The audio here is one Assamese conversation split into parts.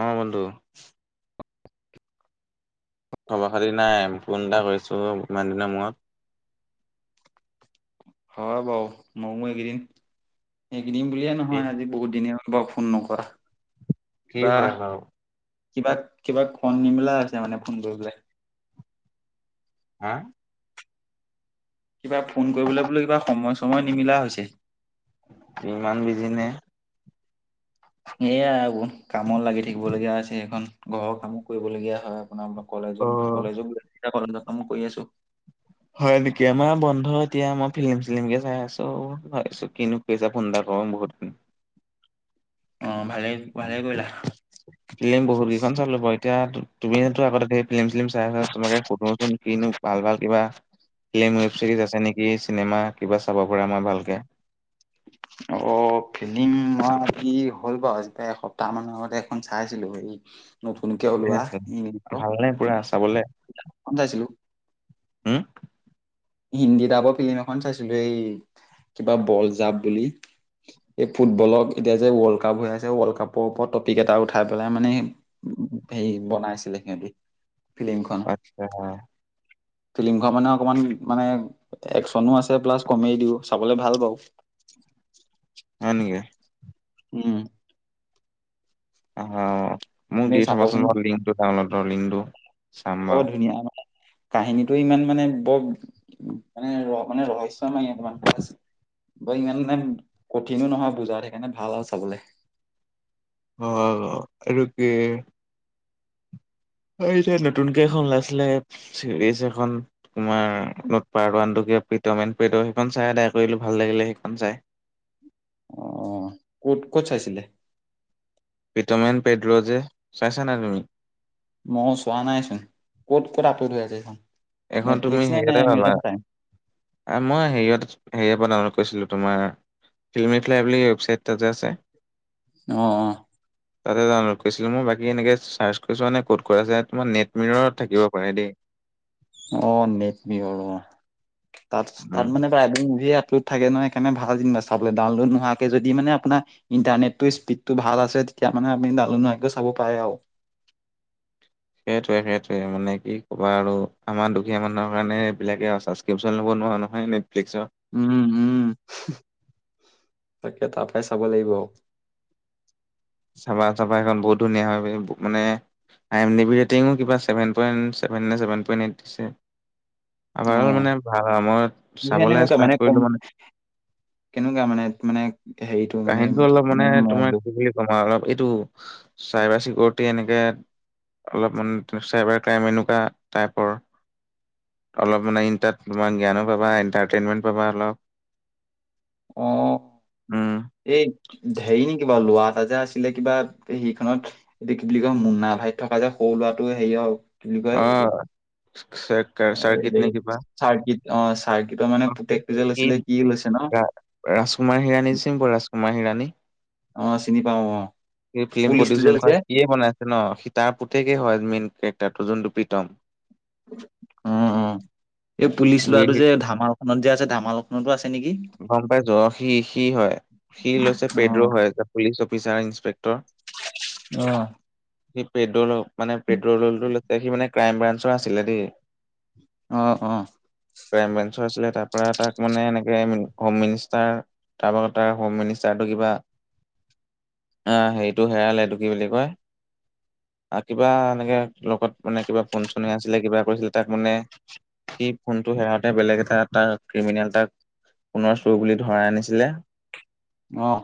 অ বন্ধু খবৰ খাতি নাই ফোন এটা কৰিছো ইমান দিনৰ মূৰত। হয়' বাৰু। মোৰো এইকেইদিন, এইকেইদিন বুলিয়ে এ নহয় আজি বহুত দিনে হ'ল বাওঁ ফোন নকৰা কি বা হয় বাৰু কিবা কিবা ফোন নিমিলা হৈছে মানে ফোন কৰিবলে হা? কিবা ফোন কৰিবলৈ বোলে কিবা সময়-চময় নিমিলা হৈছে। ইমান বিজি নে। সেয়াই এবোন কামত লাগি থাকিব লগীয়া হৈছে সেইখন ঘৰৰ কামো কৰিবলগীয়া হয়। আপোনাৰ অলপ অ কলেজোম কলেজে গৈ আছো এতিয়া কলেজ কামো কৰি আছো। হয় নেকি। আমাৰ বন্ধ এতিয়া মই ফিল্ম-চিল্মকে চাই আছো। ভাবিছো কিনো পিছে ফোন এটা কৰো বহুতখিন অহ ভালেই ভালেই কৰিলা। [unintelligible] ফিল্ম বহুত কেইখন চালো বা এতিয়া তুমিয়েটো আগতে ঢেই সেই ফিল্ম-চিলম চাইছ তোমাকে সুধোচোন কিনো ভাল ভাল কিবা ফিল্ম ৱেব চিৰিজ আছে নেকি চিনেমা কিবা চাব পাৰে মই ভালকে? [inaudible] অ ফিল্ম মই কি হ'ল বাৰু আজি হ'ল বাৰু এসপ্তাহ মানৰ আগতে এখন চাইছিলো। সেই নতুনকে ওলোৱা ইউপ ভালনে পুৰা চাবলে খন চাইছিলো উম হিন্দী তাইপৰ ফিল্ম এখন চাইছিলো এই কিবা বল জাব বুলি। এই ফুটবলক এতিয়া যে ৱৰ্ল্ড কাপ হৈ আছে ৱৰ্ল্ড কাপৰ ওপৰত টপিক এটা উঠাই পেলাই মানে- হেৰি বনাইছিলে সিহঁতি ফিল্মখন, আচ্ছা হয় ফিল্মখন মানে অকণমান মানে একচনো আছে প্লাছ কমেডি দিও চাবলৈ ভাল পাওঁ। হয় নেকি? উম। অহ। মোক তুমি দি থবাচোন চাবচোন লিংকটো ডাউনলোডৰ লিংকটো। চাম বাৰু। বহুত ধুনীয়া মানে কাহিনীটো ইমান মানে বৰ মানে মানে ৰহস্যময় কণমান প্লাছ- বৈ ইমান নাব কঠিনো নহয় বুজাত সেইকাৰণে ভাল আও চাবলে। অ আৰু কি এই যে নতুনকে এখন ওলাইছিলে ছিৰিজ এখন। তোমাৰ নৰ্ট পাৰ্ত ওৱান টো কিবা পিটমেন, পিট সেইখন চাই এদায় কৰিলো ভাল লাগিলে সেইখন চাই। অ ক'ত ক'ত চাইছিলে? পিটমেন পেড্ৰ ৰ যে চাইছা নাই তুমি? মই চোৱা নাইচোন। ক'ত ক'ত আপলোড হৈ আছে সেইখন? এখন তুমি সেইয়াতে পাবা মই হেৰিয়ত হেৰিয়ৰ পৰা ডাউনলোড কৰিছিলো তোমাৰ ফিল্মি ফ্লাই বুলি ৱেবছাইট তা যে আছে। অহ অহ। [inaudible] তাতে ডাউনলোড কৰিছিলোঁ মই বাকী এনেকৈ চাৰ্চ কৰিছোৱা নে ক'ত কৰা আছে তোমাৰ নেট মিৰৰত থাকিব পাৰে দেই। অ নেট মিৰ অ, তাত উম তাত মানে প্ৰভেট মোভি আপলোড থাকে নহ সেকাৰণে ভাল যেনবা চাবলে ডাউনলোড নোৱাকে যদি মানে আপোনাৰ ইণ্টাৰনেটো স্পীডতটো ভাল আছে তেতিয়া মানে আমি ডাউনলোড নোহোৱাকৈ চাব পাৰে আও। সেইটোয়ে সেইটোয়ে। মানে কি ক'বা আৰু আমাৰ দুখীয়া মানুহৰ কাৰণে এইবিলাকে আও ছাছ- কেপচন ল'ব নোৱাৰোঁ নহয় নেটফলিক্সৰ। উম উম। তাকে তা পাই চাব লাগিব আও। চাবা চাবা সেইখন বহুত ধুনীয়া হয়। মানে আম এম এভিৰিঠিং কিবা seven point seven point eight দিছে। আভাৰোল অ', মানে ভাল আও মই কিহে চাবলে এনেকুৱা ষ্টাৰ্ট কম কৰিলো মানে কেনেকুৱা মানে মানে হেৰিটো মানে কাহিনীটো অলপ মানে মইদোখ কি বুলি তোমাৰ অলপ এইটো চাইবাৰ চিকিউৰিটি এনেকে অলপ মানে চাইবাৰ ক্ৰাইম এনেকুৱা টাইপৰ। অলপ মানে ইনটাত জ্ঞানো পাবা এণ্টাৰটেইনমেণ্ট পাবা অলপ। অ', ওম। এই হেৰি নেকি বাৰু লোৱা এটা যে আছিলে কিবা সেইখনত দেশ কি বুলি কয় মুনা ভাইত থকা যে, সৰু লোৱাটো সেই আও। অ। চেক অ সেই চাৰ্কিট অ চাৰ্কিটৰ অ', মানে সেইটো পুতেকটো যে লৈছিলে সি লৈছে ন। ৰা ৰাজকুমাৰ হিৰাণী চিম্পো ৰাজকুমাৰ হিৰাণী। অ চিনি পাও অ এই ফিল্ম পুলিচটো যে প্ৰডিচন লৈছে খয় সি এ বনাই ন, সীতা পুতেকে হয় মেইন কেৰেক্টাৰটো যোনটো প্ৰীতম। উম উম, এই পুলিচ লৰাটো ভিৰ যে ধামালখনত যে আছে ধামালখনতো আছে নেকি। গম পাইছোঁ সি সি হয়। সি লৈছে অ পেড্ৰো হয় পুলিচ অফিচাৰ ইন্সপেক্টৰ। অঁ। সি পেড্ৰল মানে পেড্ৰল ল সি মানে ক্ৰাইম ব্ৰাঞ্চৰ আছিলে দেই। অ অ। ক্ৰাইম ব্ৰেঞ্চৰ আছিলে তাৰ পৰা তাক মানে এনেকে মিন- হোম মিনিষ্টাৰ তাৰপৰত তাৰ হোম মিনিষ্টাৰটো কিবা। অ'হেৰিটো হেৰালে এটো কি বুলি কয়। কিবা এনেকে লগত মানে কিবা ফোন চোন আছিলে কিবা কৰিছিলে তাক মানে। সেই ফোনটো হেৰাওঁতে বেলেগ এটা তাৰ ক্ৰিমিনেল এতাক। পুনৰ চুৰ বুলি ধৰাই আনিছিলে। অঁ।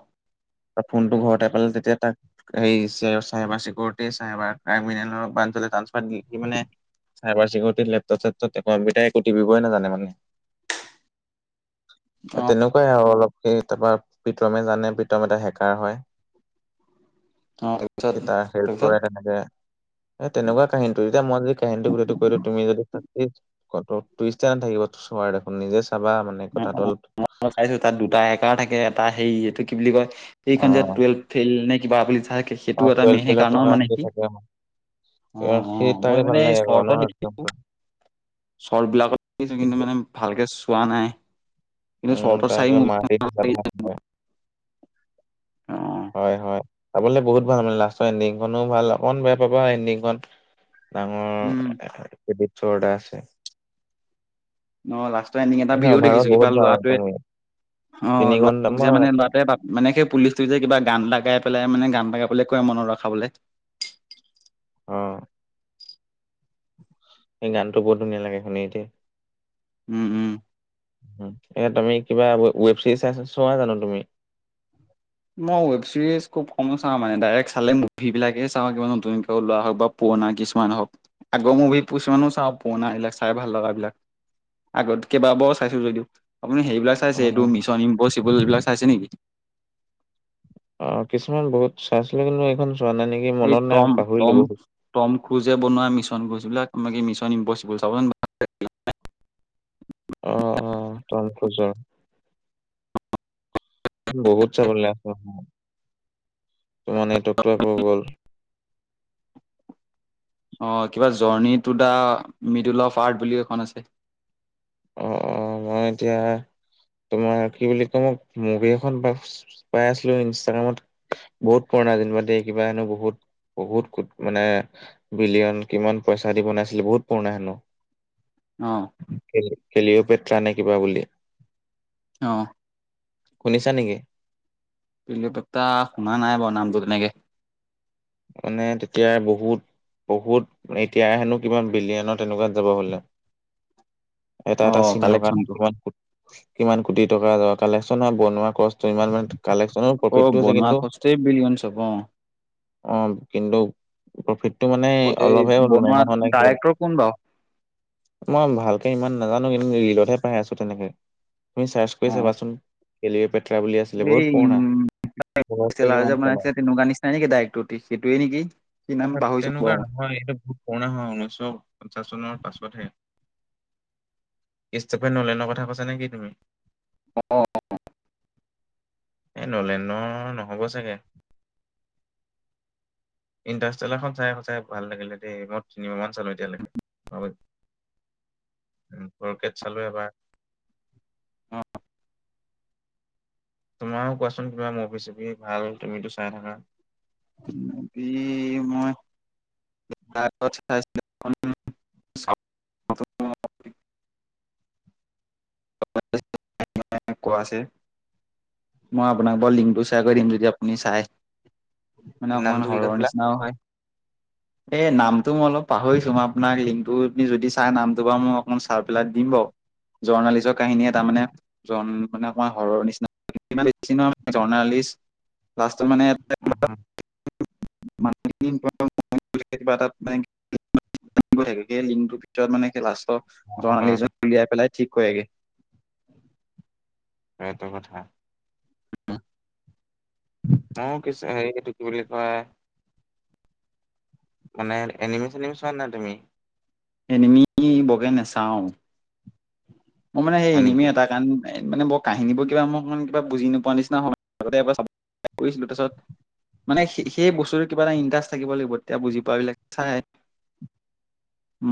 ফোনটো ঘৰতে পালে তেতিয়া তাক। এই চিকৰিটি চবাৰিলে [unintelligible] মানে। চাইবাৰিকিৰিটি লেপটপ চেট কম্পিউটাৰ একু টিপিবইনেজানে মানে। অ তেনেকুৱাই আৰু অলপ তাৰ পৰা প্ৰীতমে জানে প্ৰীতম এটা হেকাৰ হয়। তাৰপিছত এ তাৰ হেল্প তাৰপিছত কৰে তেনেকে। এ তেনেকুৱা কাহিনীটো এতিয়া মই যদি কাহিনীটো গোটেইটো কৈ দিও তুমি যদি, তু ষ্ট না থাকিব চ দেখোন নিজে চাবা মানে। অ কথাটো অ অলপ মই চাইছো তাত দুটা একাৰ থাকে এটা হেৰি এইটো কি বুলি কয়। সেইখন যে অ' টুৱেলভ ফেইল নে কিবা বুলি সেইটো এটা টুৱেলভ মেইন ফেইলত হেকাৰ ন থকা মানে সেই কি, থাকে অ আহ, অ সি মই তাকে ভাল মানে এই লাগে আকৌ ন চৰ্তৰ একদম দেখিছো। পুৰা। চৰ্ত বিলাকত দেখিছো সি- কিন্তু মানে ভালকে চোৱা নাই। কিন্তু উম চৰ্টত চাই তাকে মাৰ মোৰ পিত [unintelligible] অ', হয় হয়। চাবলৈ বহুত ভাল মানে লাষ্টৰ এণ্ডিংখনো ভাল অকণ বেয়া পাবা এণ্ডিংখন। উম, ডাঙৰ [unintelligible] ছৰৰ্ডাৰ আছে। অ' লাষ্টৰ এণ্ডিং এটা মানে ভিডিও অভাৰত দেখিছো কিবা বহুত ভাল লৰাটোৱে তুমি অ তিনি ঘন্টা লৰাট মই যে মানে ল'ৰাটোৱে, মানে সেই পুলিচ তোয়ে যে কিবা গান এটা গাই পেলাই মানে গান এটা গাবলে কয় মনত ৰখাবলে। অঁ। সেই গানটো বৰ ধুনীয়া লাগে শুনি এতিয়া। উম উম। এয়া তুমি কিবা ৱেব চিৰিজ আ চোৱা জানো তুমি। মই ৱেব ছিৰিজ খুব কম চাওঁ মানে ডাইৰেক্ট চালে মুভ বিলাকে চাওঁ কিবা নতুন কে ওলোৱা হওক বা, পুৰনা কিছুমান হওক আগৰ মুভি কিছুমানো চাওঁ পুৰনা এইবিলাক চাই ভাল লগা বিলাক। আগত কেইবাবাৰো চাইছো যদিও আপুনি সেইবিলাক অ চাইছে এইটো মিছন ইম পচিবলৈ এই বিলাক চাইছে নেকি। [inaudible] অ' কিছুমান বহুত চাইছিলো কিন্তু এইখন চোৱা নাই নেকি। এই মনত নাই পাহৰিলো টম-টম বহুত টম খোজে বনোৱা মিছন খোজবিলাক কি মিছন ইম্পচিবল চাব অ অ তম খোজ। বহুত চাব লে আছিল তোমাৰ নেটৱৰ্কটো আকৌ গ'ল। অ কিবা journey to the middle of art বুলি এখন আছে। অ অ মই এতিয়া তোমাৰ কি বুলি ক মোক মুভি এখন পাই আছিলো ইনষ্টাগ্ৰামত বহুত পুৰণা যেনিবা দেই কিবা হেনো বহুত, বহুত কোট মানে বিলিয়ন কিমান পইচা দি বনাইছিলে বহুত পুৰণা হেনো। অ, খেলিও পেট্ৰা নে কিবা বুলি। অ, শুনিছা নেকি? পিলি পতা শুনা নাই বাৰু নামটো তেনেকে। মানে তেতিয়া বহুত। বহুত এতিয়া হেনো কিবা বিলিয়নত তেনেকুৱাত যাব বোলে। এটা অ এটা চিনৰ কাৰণে কালেকচনটো কিমান কো কিমান কোটি টকা কালেকচন হয়, বনোৱা খৰচটো ইমান মানে কালেকচনৰ অ' বনোৱা খৰচ টো বিলিয়নচ হ'ব অ, অ কিন্তু। প্ৰফিতটো মানে অ এই অলপহে বনোৱা হোৱা ডাইৰেক্টৰ কোন বাৰু [unintelligible] মই ভালকে ইমান নাজানো কিন্তু ৰিলতহে পাই আছো তেনেকে। তুমি চাৰ্চ কৰি অ চাবাচোন। কেলৱে পেটৰা বুলি আছিলে বহুত এই উম পুৰণা কিমান [unintelligible] কেনেকে দায়ৰেক উটি সিটোৱে নেকি? কি নাম অ' পাহৰিছো তেনেকুৱা বাৰু নহয়। এইটো বহুত পুৰণা হয় ঊনৈশ পঞ্চাছ চনৰ পাছতহে। ইষ্টাফেৰ নলেনৰ কৈছা নে কি তুমি? অ, অ, অ। এ নলেনৰ নহ'ব চাগে। ইণ্টাৰষ্টেল এখন চাই সঁচাই ভাল লাগিলে দেই। মই তিনিবাৰ মান চালো এতিয়ালে। [unintelligible] পৰকেট চালো এবাৰ। অ, অ। তোমাৰো কোৱাচোন কিবা মুভি-চুভি ভাল, তুমিতো চাই থাকা। মুভি মই [unintelligible] [unintelligible] কোৱা আছে। মই আপোনাক বাৰু লিংকটো শ্বেয়াৰ কৰি দিম যদি আপুনি চাই। মানে নামটো অকমান কি হৰৰ কৈছিলা? নিচিনাও হয়। [inaudible] এই নামটো মই অলপ পাহৰিছো। মই আপোনাক লিংকটো আপনি যদি চাই নামটো বাৰু মই অকমান চাই পেলাই দিম বাৰু। জৰ্ণালিজৰ কাহিনী এটা মানে জন মানে অকমান হৰৰ নিচিনা। [unintelligible] বেছি নহয় জৰ্ণালিষ্ট লাষ্টত মানে উউ। [unintelligible] [unintelligible] সেই লিংকটোৰ ভিতৰত মানে লাষ্টৰ জৰ্ণালী অ, এজন উলিয়াই পেলাই ঠিক কৰেগে। এইটো কথা। [unintelligible] ময়ো কিছু এই হেইটো কি বুলি কয় মানে এনিমি চেনিমি চোৱা নাই তুমি? এনিমি বগে নাচাও। মোৰ মানে সেই হয় এনিমি নেকি? এটা কাৰণ মানে বৰ কাহিনীবোৰ কিবা মই কিবা বুজি নোপোৱা নিচিনা হয়। [unintelligible] কৰিছিলো তাৰছত মানে সেই বস্তুটোৰ কিবা এটা ইণ্টাৰেষ্ট থাকিব লাগিব। তেতিয়া বুজি পোৱাবিলাক চায়।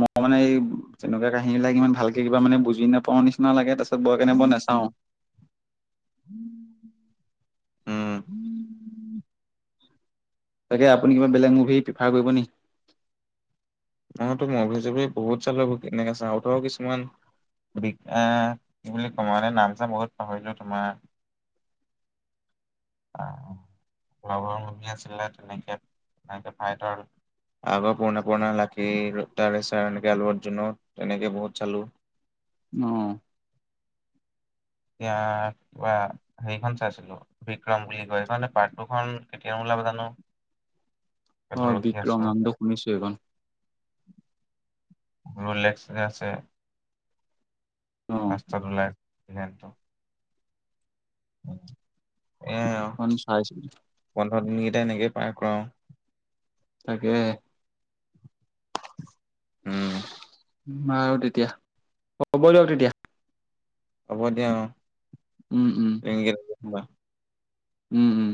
মই মানে এই তেনেকুৱা কাহিনীবিলাক ইমান ভালকে কিবা মানে বুজি নাপাওঁ নিচিনা লাগে। তাৰপিছত বৰ কাৰণে মই নাচাওঁ। উম [unintelligible] তাকে আপুনি কিবা বেলেগ মুভি প্ৰেফাৰ কৰিব নি? মইটো মভি-চভি বহুত চালো। এইবোৰ কেনেকা চাউথৰ কিছুমান বিকা কি বুলি কওঁ মানে নাম-চাম বহুত পাহৰিলো তোমাৰ। অ, অ। লগৰ [unintelligible] আছিলে তেনেকে। [unintelligible] আগৰ পুৰণা পুৰণা লা [unintelligible] তেনেকে বহুত চালো। অ। এতিয়া কিবা হেৰিখন চাইছিলো। বিক্ৰম বুলি কয়। সেইখনৰ পাৰ্ট টুখন কেতিয়া ওলাব জানো? অ সেইটো ৰখি আছো বিক্ৰম নামটো শুনিছো এইখন। [inaudible] [unintelligible] অ', লাষ্টত ওলাই নেমটো। এ অ। অ, চাইছ। পোন্ধৰ দিনকেইটা এনেকেই পাৰ কৰাও। তাকে। উম আ আৰু তেতিয়া, হ'ব দিয়ক তেতিয়া। হ'ব দিয়া অ। উম, উম। এই উম, উম।